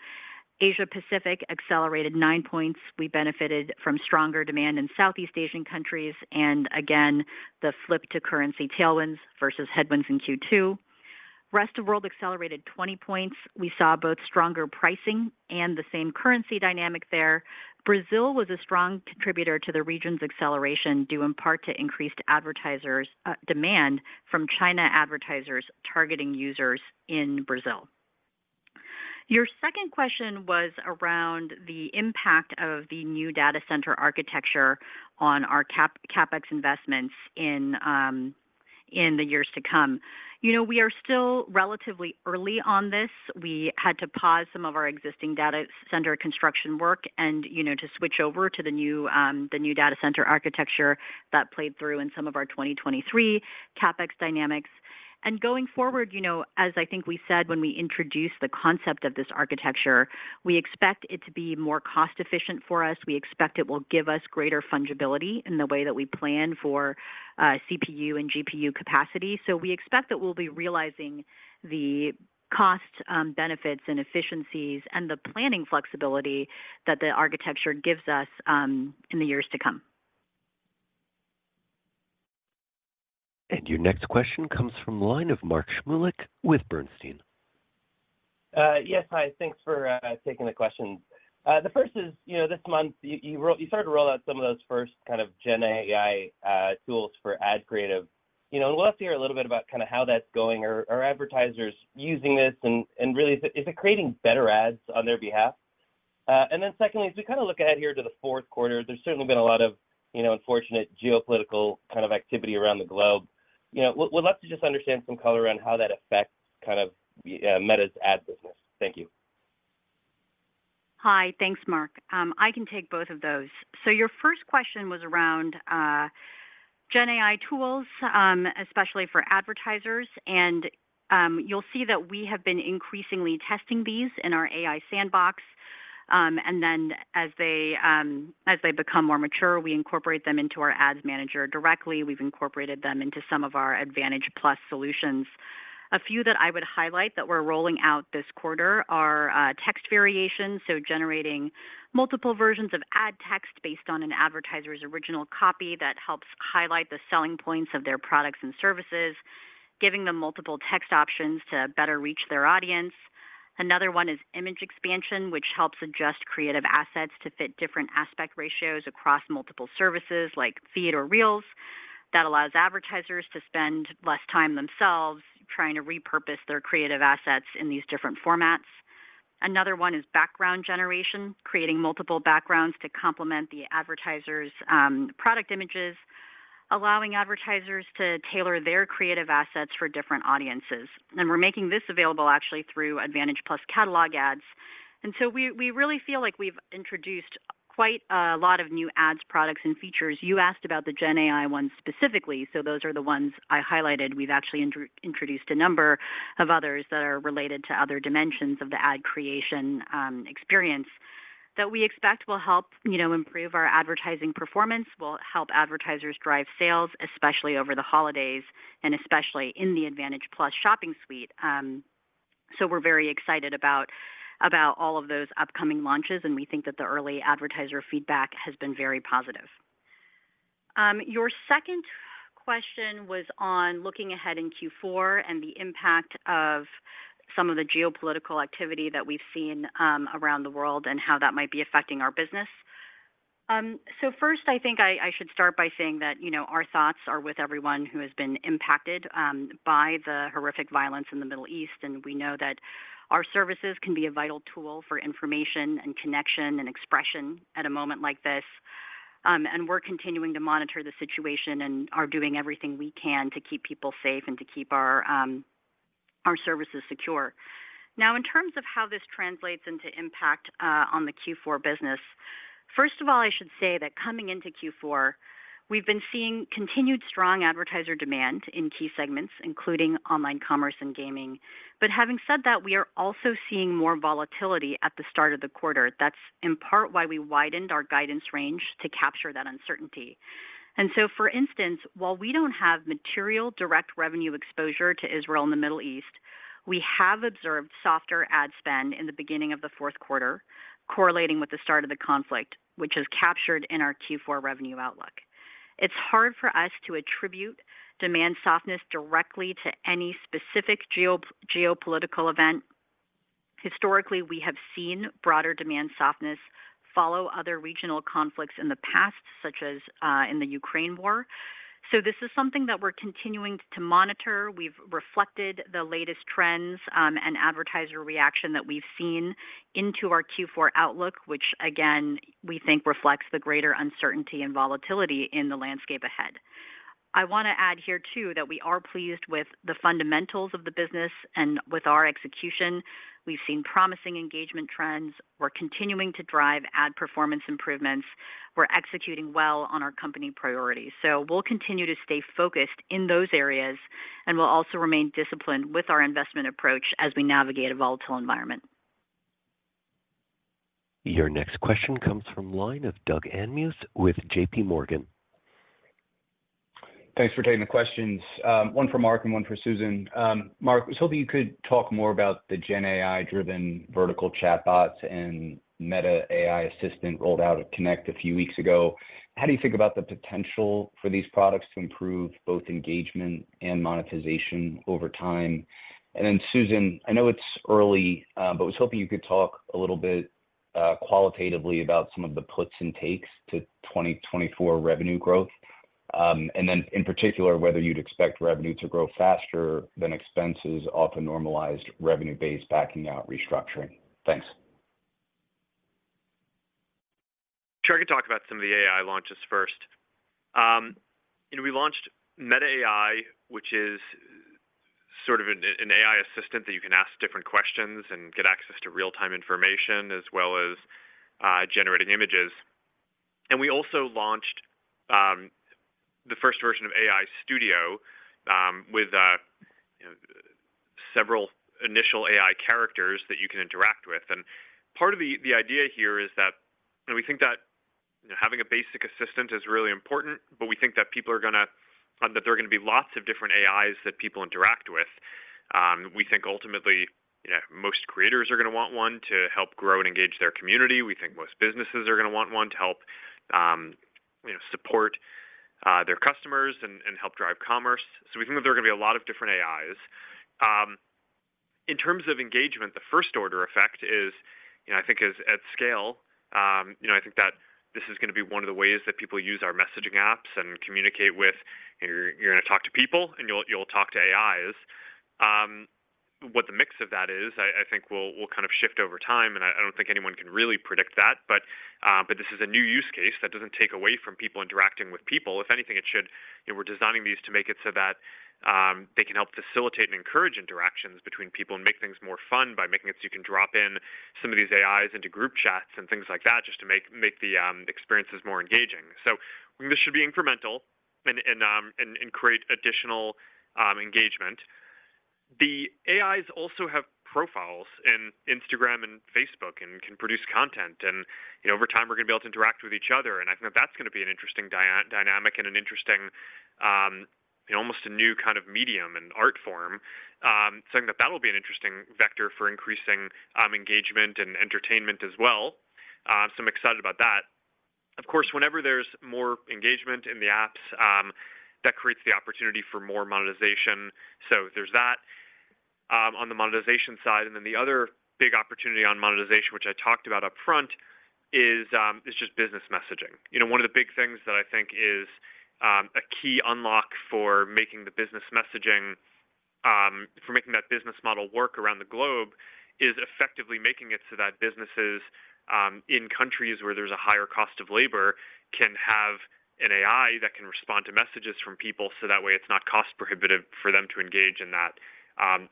Asia Pacific accelerated 9 points. We benefited from stronger demand in Southeast Asian countries, and again, the flip to currency tailwinds versus headwinds in Q2. Rest of World accelerated 20 points. We saw both stronger pricing and the same currency dynamic there. Brazil was a strong contributor to the region's acceleration, due in part to increased advertisers, demand from China advertisers targeting users in Brazil. Your second question was around the impact of the new data center architecture on our CapEx investments in, in the years to come. You know, we are still relatively early on this. We had to pause some of our existing data center construction work and, you know, to switch over to the new, the new data center architecture that played through in some of our 2023 CapEx dynamics. And going forward, you know, as I think we said when we introduced the concept of this architecture, we expect it to be more cost-efficient for us. We expect it will give us greater fungibility in the way that we plan for CPU and GPU capacity. So we expect that we'll be realizing the cost benefits and efficiencies and the planning flexibility that the architecture gives us in the years to come. Your next question comes from the line of Mark Shmulik with Bernstein. Yes. Hi, thanks for taking the questions. The first is, you know, this month, you started to roll out some of those first kind of GenAI tools for ad creative. You know, I'd love to hear a little bit about kind of how that's going. Are advertisers using this and really, is it creating better ads on their behalf? And then secondly, as we kind of look ahead here to the fourth quarter, there's certainly been a lot of, you know, unfortunate geopolitical kind of activity around the globe. You know, we'd love to just understand some color around how that affects kind of Meta's ad business. Thank you. Hi. Thanks, Mark. I can take both of those. So your first question was around GenAI tools, especially for advertisers, and you'll see that we have been increasingly testing these in our AI sandbox. And then as they become more mature, we incorporate them into our ads manager directly. We've incorporated them into some of our Advantage+ solutions. A few that I would highlight that we're rolling out this quarter are text variations, so generating multiple versions of ad text based on an advertiser's original copy that helps highlight the selling points of their products and services, giving them multiple text options to better reach their audience. Another one is image expansion, which helps adjust creative assets to fit different aspect ratios across multiple services like Feed or Reels. That allows advertisers to spend less time themselves trying to repurpose their creative assets in these different formats. Another one is background generation, creating multiple backgrounds to complement the advertiser's product images, allowing advertisers to tailor their creative assets for different audiences. And we're making this available actually through Advantage+ catalog ads. And so we really feel like we've introduced quite a lot of new ads, products, and features. You asked about the GenAI ones specifically, so those are the ones I highlighted. We've actually introduced a number of others that are related to other dimensions of the ad creation experience, that we expect will help, you know, improve our advertising performance, will help advertisers drive sales, especially over the holidays and especially in the Advantage+ shopping suite. So we're very excited about all of those upcoming launches, and we think that the early advertiser Feedback has been very positive. Your second question was on looking ahead in Q4 and the impact of some of the geopolitical activity that we've seen around the world and how that might be affecting our business. So first, I think I should start by saying that, you know, our thoughts are with everyone who has been impacted by the horrific violence in the Middle East, and we know that our services can be a vital tool for information and connection and expression at a moment like this. We're continuing to monitor the situation and are doing everything we can to keep people safe and to keep our services secure. Now, in terms of how this translates into impact on the Q4 business, first of all, I should say that coming into Q4, we've been seeing continued strong advertiser demand in key segments, including online commerce and gaming. But having said that, we are also seeing more volatility at the start of the quarter. That's in part why we widened our guidance range to capture that uncertainty. And so, for instance, while we don't have material direct revenue exposure to Israel and the Middle East, we have observed softer ad spend in the beginning of the fourth quarter, correlating with the start of the conflict, which is captured in our Q4 revenue outlook.... It's hard for us to attribute demand softness directly to any specific geo-geopolitical event. Historically, we have seen broader demand softness follow other regional conflicts in the past, such as, in the Ukraine war. So this is something that we're continuing to monitor. We've reflected the latest trends, and advertiser reaction that we've seen into our Q4 outlook, which again, we think reflects the greater uncertainty and volatility in the landscape ahead. I want to add here, too, that we are pleased with the fundamentals of the business and with our execution. We've seen promising engagement trends. We're continuing to drive ad performance improvements. We're executing well on our company priorities. So we'll continue to stay focused in those areas, and we'll also remain disciplined with our investment approach as we navigate a volatile environment. Your next question comes from the line of Doug Anmuth with JP Morgan. Thanks for taking the questions. One for Mark and one for Susan. Mark, I was hoping you could talk more about the Gen AI-driven vertical chatbots and Meta AI assistant rolled out at Connect a few weeks ago. How do you think about the potential for these products to improve both engagement and monetization over time? And then, Susan, I know it's early, but I was hoping you could talk a little bit qualitatively about some of the puts and takes to 2024 revenue growth, and then in particular, whether you'd expect revenue to grow faster than expenses off a normalized revenue base, backing out restructuring. Thanks. Sure. I can talk about some of the AI launches first. We launched Meta AI, which is sort of an AI assistant that you can ask different questions and get access to real-time information, as well as generating images. And we also launched the first version of AI Studio with several initial AI characters that you can interact with. And part of the idea here is that we think that having a basic assistant is really important, but we think that people are gonna that there are gonna be lots of different AIs that people interact with. We think ultimately, yeah, most creators are gonna want one to help grow and engage their community. We think most businesses are gonna want one to help, you know, support their customers and, and help drive commerce. We think there are going to be a lot of different AIs. In terms of engagement, the first order effect is, you know, I think is at scale. You know, I think that this is gonna be one of the ways that people use our messaging apps and communicate with... You're, you're gonna talk to people and you'll, you'll talk to AIs. What the mix of that is, I, I think will, will kind of shift over time, and I, I don't think anyone can really predict that. But, but this is a new use case that doesn't take away from people interacting with people. If anything, it should. We're designing these to make it so that they can help facilitate and encourage interactions between people and make things more fun by making it so you can drop in some of these AIs into group chats and things like that, just to make the experiences more engaging. So this should be incremental and create additional engagement. The AIs also have profiles in Instagram and Facebook and can produce content, and, you know, over time, we're going to be able to interact with each other. And I think that's going to be an interesting dynamic and an interesting almost a new kind of medium and art form. So I think that will be an interesting vector for increasing engagement and entertainment as well. So I'm excited about that. Of course, whenever there's more engagement in the apps, that creates the opportunity for more monetization. There's that, on the monetization side. Then the other big opportunity on monetization, which I talked about upfront, is just business messaging. You know, one of the big things that I think is a key unlock for making the business messaging, for making that business model work around the globe, is effectively making it so that businesses in countries where there's a higher cost of labor can have an AI that can respond to messages from people, so that way it's not cost prohibitive for them to engage in that,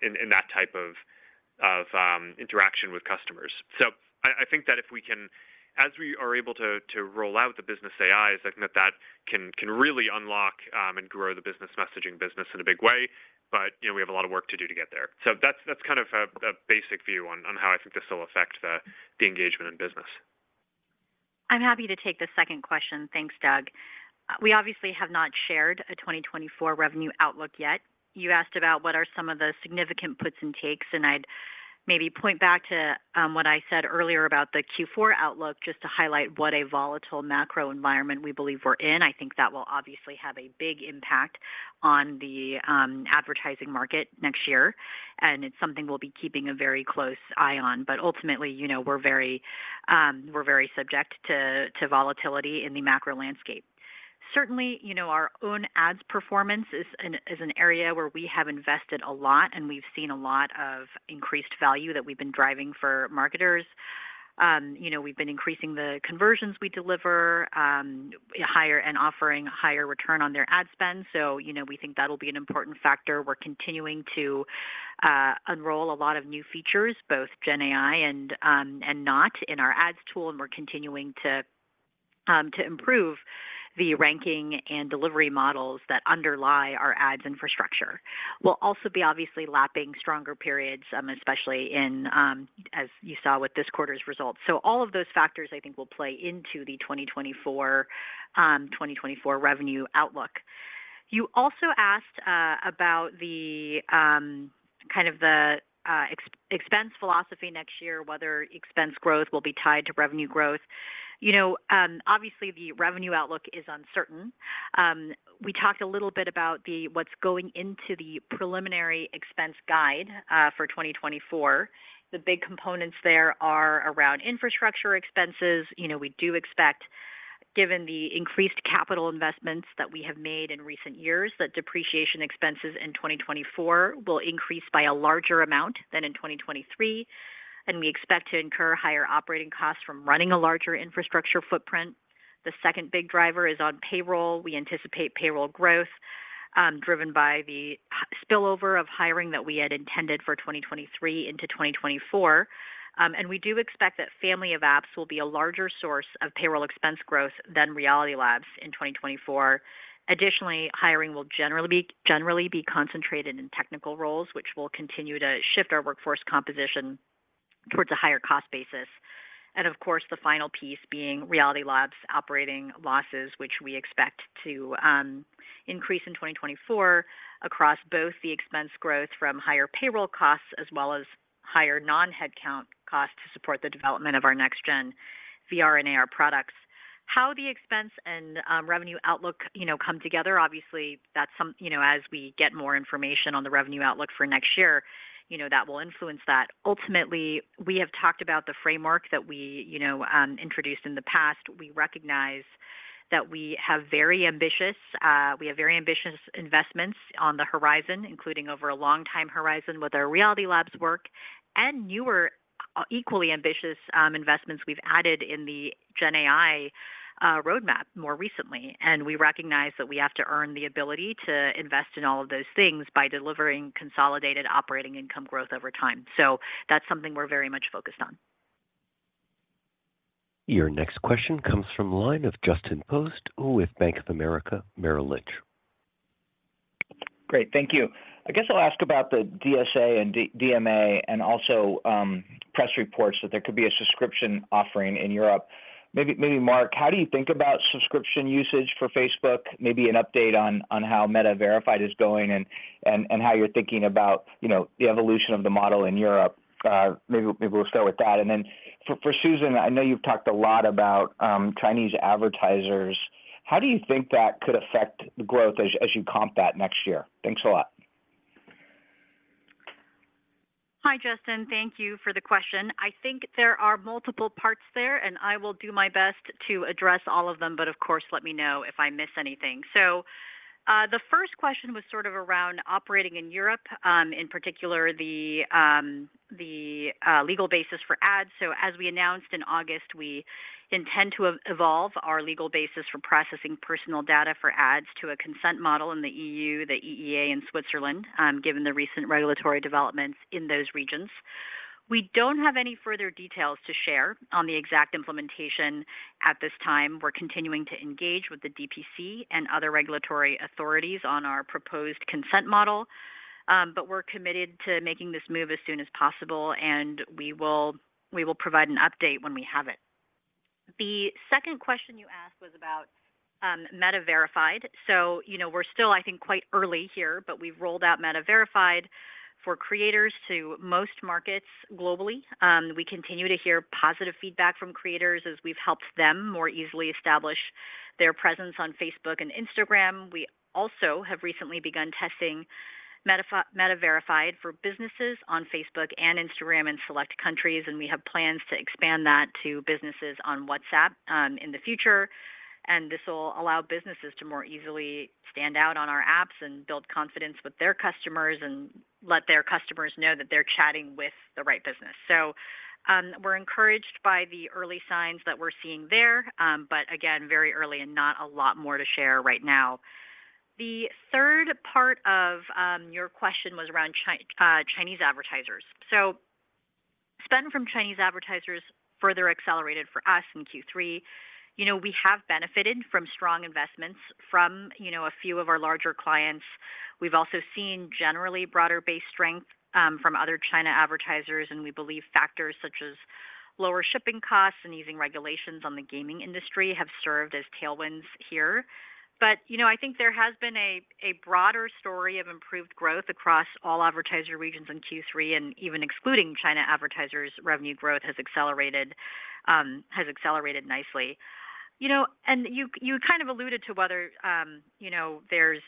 in that type of interaction with customers. I think that if we can, as we are able to roll out the business AIs, I think that can really unlock and grow the business messaging business in a big way. But you know, we have a lot of work to do to get there. That's kind of a basic view on how I think this will affect the engagement in business. I'm happy to take the second question. Thanks, Doug. We obviously have not shared a 2024 revenue outlook yet. You asked about what are some of the significant puts and takes, and I'd maybe point back to what I said earlier about the Q4 outlook, just to highlight what a volatile macro environment we believe we're in. I think that will obviously have a big impact on the advertising market next year, and it's something we'll be keeping a very close eye on. But ultimately, you know, we're very subject to volatility in the macro landscape. Certainly, you know, our own ads performance is an area where we have invested a lot, and we've seen a lot of increased value that we've been driving for marketers. You know, we've been increasing the conversions we deliver higher and offering higher return on their ad spend. So, you know, we think that'll be an important factor. We're continuing to roll out a lot of new features, both Gen AI and non-Gen AI in our ads tool, and we're continuing to improve the ranking and delivery models that underlie our ads infrastructure. We'll also be obviously lapping stronger periods, especially, as you saw with this quarter's results. So all of those factors, I think, will play into the 2024 revenue outlook. You also asked about the kind of expense philosophy next year, whether expense growth will be tied to revenue growth. You know, obviously, the revenue outlook is uncertain. We talked a little bit about what's going into the preliminary expense guide for 2024. The big components there are around infrastructure expenses. You know, we do expect, given the increased capital investments that we have made in recent years, that depreciation expenses in 2024 will increase by a larger amount than in 2023, and we expect to incur higher operating costs from running a larger infrastructure footprint. The second big driver is on payroll. We anticipate payroll growth driven by the spillover of hiring that we had intended for 2023 into 2024. And we do expect that Family of Apps will be a larger source of payroll expense growth than Reality Labs in 2024. Additionally, hiring will generally be concentrated in technical roles, which will continue to shift our workforce composition towards a higher cost basis. Of course, the final piece being Reality Labs operating losses, which we expect to increase in 2024 across both the expense growth from higher payroll costs as well as higher non-headcount costs to support the development of our next gen VR and AR products. How the expense and revenue outlook, you know, come together? Obviously, that's some... You know, as we get more information on the revenue outlook for next year, you know, that will influence that. Ultimately, we have talked about the framework that we, you know, introduced in the past. We recognize that we have very ambitious, we have very ambitious investments on the horizon, including over a long time horizon with our Reality Labs work and newer, equally ambitious, investments we've added in the Gen AI roadmap more recently. We recognize that we have to earn the ability to invest in all of those things by delivering consolidated operating income growth over time. That's something we're very much focused on. Your next question comes from the line of Justin Post with Bank of America Merrill Lynch. Great, thank you. I guess I'll ask about the DSA and DMA and also, press reports that there could be a subscription offering in Europe. Maybe, maybe Mark, how do you think about subscription usage for Facebook? Maybe an update on how Meta Verified is going and how you're thinking about, you know, the evolution of the model in Europe. Maybe we'll start with that. And then for Susan, I know you've talked a lot about Chinese advertisers. How do you think that could affect the growth as you comp that next year? Thanks a lot. Hi, Justin. Thank you for the question. I think there are multiple parts there, and I will do my best to address all of them, but of course, let me know if I miss anything. So, the first question was sort of around operating in Europe, in particular, the legal basis for ads. So as we announced in August, we intend to evolve our legal basis for processing personal data for ads to a consent model in the EU, the EEA and Switzerland, given the recent regulatory developments in those regions. We don't have any further details to share on the exact implementation at this time. We're continuing to engage with the DPC and other regulatory authorities on our proposed consent model, but we're committed to making this move as soon as possible, and we will provide an update when we have it. The second question you asked was about Meta Verified. So, you know, we're still, I think, quite early here, but we've rolled out Meta Verified for creators to most markets globally. We continue to hear positive Feedback from creators as we've helped them more easily establish their presence on Facebook and Instagram. We also have recently begun testing Meta Verified for businesses on Facebook and Instagram in select countries, and we have plans to expand that to businesses on WhatsApp in the future. This will allow businesses to more easily stand out on our apps and build confidence with their customers and let their customers know that they're chatting with the right business. So, we're encouraged by the early signs that we're seeing there, but again, very early and not a lot more to share right now. The third part of your question was around Chinese advertisers. So spend from Chinese advertisers further accelerated for us in Q3. You know, we have benefited from strong investments from, you know, a few of our larger clients. We've also seen generally broader-based strength from other China advertisers, and we believe factors such as lower shipping costs and easing regulations on the gaming industry have served as tailwinds here. But, you know, I think there has been a broader story of improved growth across all advertiser regions in Q3, and even excluding China advertisers, revenue growth has accelerated, has accelerated nicely. You know, and you kind of alluded to whether, you know, there's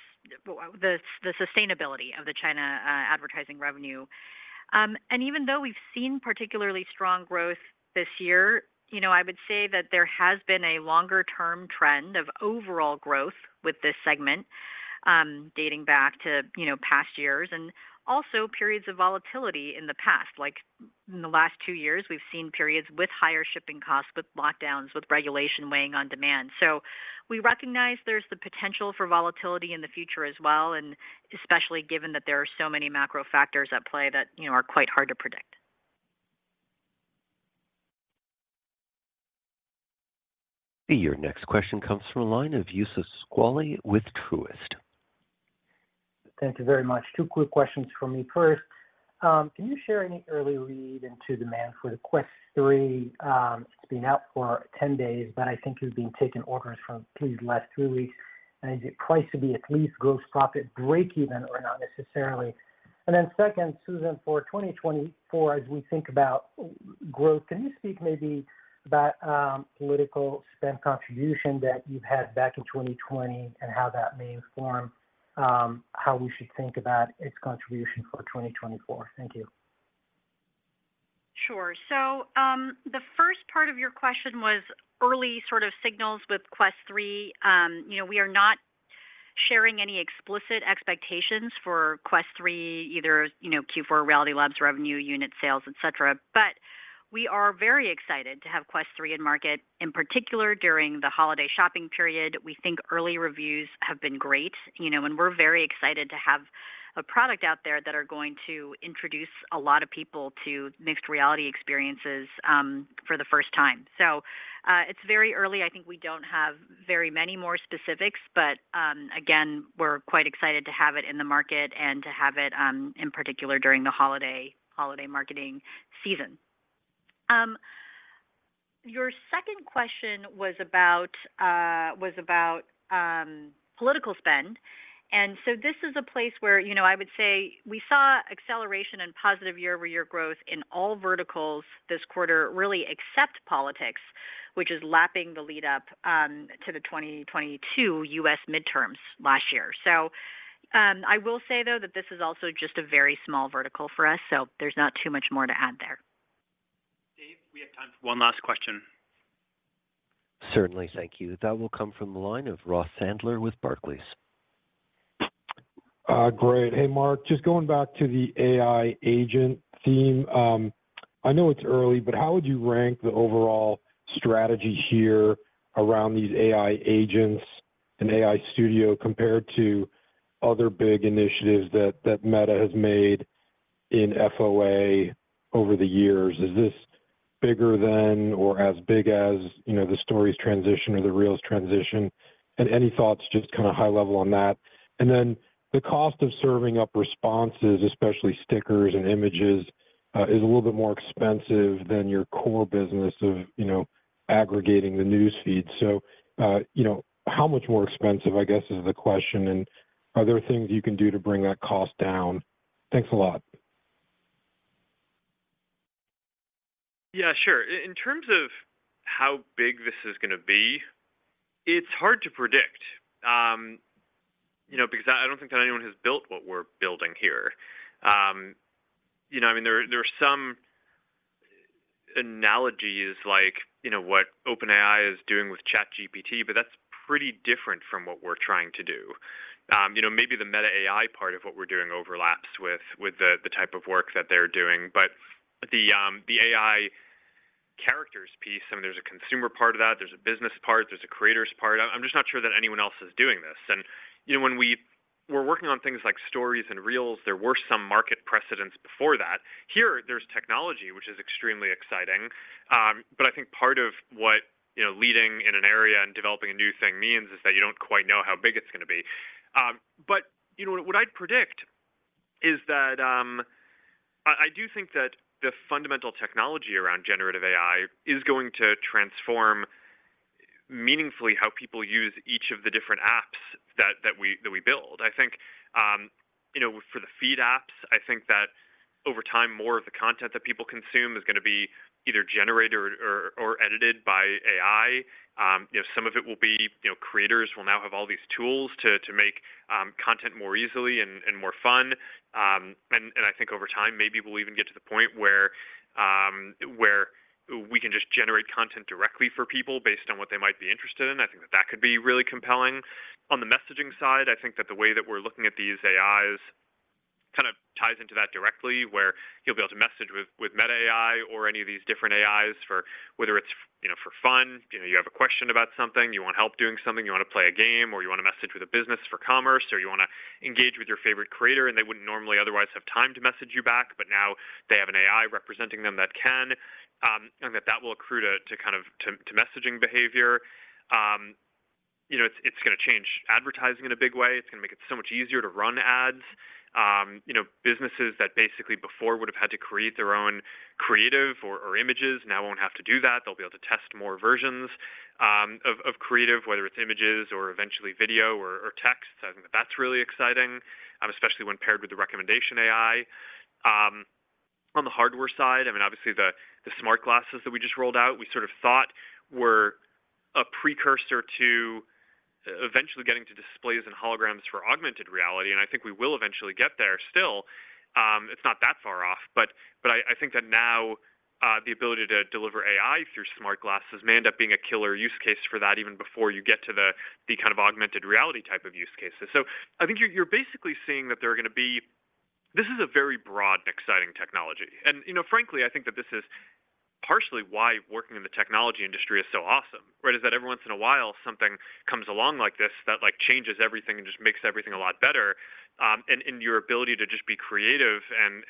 the sustainability of the China advertising revenue. And even though we've seen particularly strong growth this year, you know, I would say that there has been a longer-term trend of overall growth with this segment, dating back to, you know, past years, and also periods of volatility in the past. Like in the last two years, we've seen periods with higher shipping costs, with lockdowns, with regulation weighing on demand. We recognize there's the potential for volatility in the future as well, and especially given that there are so many macro factors at play that, you know, are quite hard to predict. Your next question comes from a line of Youssef Squali with Truist. Thank you very much. Two quick questions from me. First, can you share any early read into demand for the Quest 3? It's been out for 10 days, but I think you've been taking orders from at least the last 2 weeks. Is it priced to be at least gross profit breakeven or not necessarily? Second, Susan, for 2024, as we think about growth, can you speak maybe about political spend contribution that you've had back in 2020, and how that may inform how we should think about its contribution for 2024? Thank you. Sure. So, the first part of your question was early sort of signals with Quest 3. You know, we are not sharing any explicit expectations for Quest 3, either, you know, Q4 Reality Labs, revenue, unit sales, et cetera. But we are very excited to have Quest 3 in market, in particular, during the holiday shopping period. We think early reviews have been great, you know, and we're very excited to have a product out there that are going to introduce a lot of people to mixed reality experiences, for the first time. So, it's very early. I think we don't have very many more specifics, but, again, we're quite excited to have it in the market and to have it, in particular during the holiday marketing season. Your second question was about political spend, and so this is a place where, you know, I would say we saw acceleration and positive year-over-year growth in all verticals this quarter, really, except politics, which is lapping the lead up to the 2022 U.S. midterms last year. So, I will say, though, that this is also just a very small vertical for us, so there's not too much more to add there. Dave, we have time for one last question. Certainly. Thank you. That will come from the line of Ross Sandler with Barclays. Great. Hey, Mark, just going back to the AI agent theme. I know it's early, but how would you rank the overall strategy here around these AI agents and AI Studio compared to other big initiatives that, that Meta has made in FOA over the years? Is this bigger than or as big as, you know, the stories transition or the Reels transition? And any thoughts, just kind of high level on that. And then the cost of serving up responses, especially stickers and images, is a little bit more expensive than your core business of, you know, aggregating the news Feed. So, you know, how much more expensive, I guess, is the question, and are there things you can do to bring that cost down? Thanks a lot. Yeah, sure. In terms of how big this is going to be, it's hard to predict, you know, because I don't think that anyone has built what we're building here. You know, I mean, there are some analogies like, you know, what OpenAI is doing with ChatGPT, but that's pretty different from what we're trying to do. You know, maybe the Meta AI part of what we're doing overlaps with the type of work that they're doing. But the AI characters piece, I mean, there's a consumer part of that, there's a business part, there's a creators part. I'm just not sure that anyone else is doing this. And, you know, when we were working on things like Stories and Reels, there were some market precedents before that. Here, there's technology, which is extremely exciting, but I think part of what, you know, leading in an area and developing a new thing means is that you don't quite know how big it's going to be. But you know, what I'd predict is that... I do think that the fundamental technology around generative AI is going to transform meaningfully how people use each of the different apps that we build. I think, you know, for the Feed apps, I think that over time, more of the content that people consume is going to be either generated or edited by AI. You know, some of it will be, you know, creators will now have all these tools to make content more easily and more fun. I think over time, maybe we'll even get to the point where we can just generate content directly for people based on what they might be interested in. I think that that could be really compelling. On the messaging side, I think that the way that we're looking at these AIs kind of ties into that directly, where you'll be able to message with Meta AI or any of these different AIs for whether it's, you know, for fun, you know, you have a question about something, you want help doing something, you want to play a game, or you want to message with a business for commerce, or you want to engage with your favorite creator, and they wouldn't normally otherwise have time to message you back, but now they have an AI representing them that can and that will accrue to kind of messaging behavior. You know, it's going to change advertising in a big way. It's going to make it so much easier to run ads. You know, businesses that basically before would have had to create their own creative or images now won't have to do that. They'll be able to test more versions of creative, whether it's images or eventually video or text. I think that's really exciting, especially when paired with the recommendation AI. On the hardware side, I mean, obviously the smart glasses that we just rolled out, we sort of thought were a precursor to eventually getting to displays and holograms for augmented reality, and I think we will eventually get there still. It's not that far off, but I think that now the ability to deliver AI through smart glasses may end up being a killer use case for that, even before you get to the kind of augmented reality type of use cases. So I think you're basically seeing this is a very broad, exciting technology. You know, frankly, I think that this is partially why working in the technology industry is so awesome, right? Is that every once in a while, something comes along like this that, like, changes everything and just makes everything a lot better, and your ability to just be creative and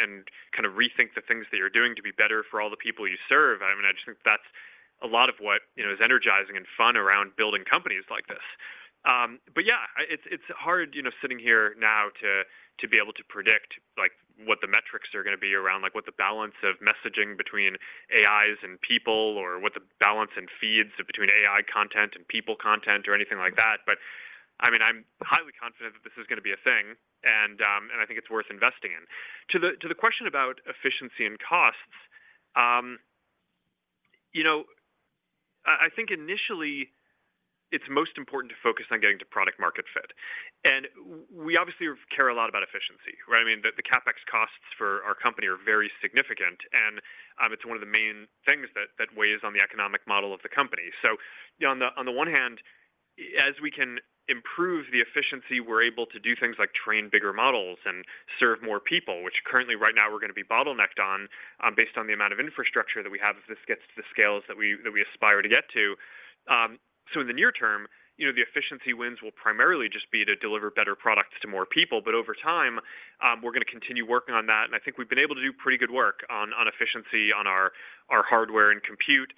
kind of rethink the things that you're doing to be better for all the people you serve. I mean, I just think that's a lot of what, you know, is energizing and fun around building companies like this. But yeah, it's, it's hard, you know, sitting here now to, to be able to predict, like, what the metrics are going to be around, like, what the balance of messaging between AIs and people, or what the balance in Feeds between AI content and people content or anything like that. But, I mean, I'm highly confident that this is going to be a thing, and and I think it's worth investing in. To the, to the question about efficiency and costs, you know, I, I think initially it's most important to focus on getting to product market fit. And we obviously care a lot about efficiency, right? I mean, the CapEx costs for our company are very significant, and it's one of the main things that, that weighs on the economic model of the company. So, you know, on the one hand, as we can improve the efficiency, we're able to do things like train bigger models and serve more people, which currently right now we're going to be bottlenecked on, based on the amount of infrastructure that we have as this gets to the scales that we aspire to get to. So in the near term, you know, the efficiency wins will primarily just be to deliver better products to more people. But over time, we're going to continue working on that, and I think we've been able to do pretty good work on efficiency on our hardware and compute.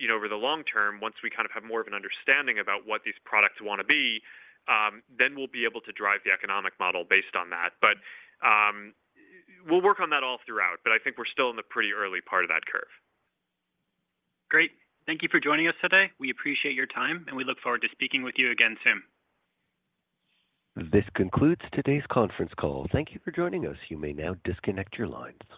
You know, over the long term, once we kind of have more of an understanding about what these products want to be, then we'll be able to drive the economic model based on that. But, we'll work on that all throughout, but I think we're still in the pretty early part of that curve. Great. Thank you for joining us today. We appreciate your time, and we look forward to speaking with you again soon. This concludes today's conference call. Thank you for joining us. You may now disconnect your lines.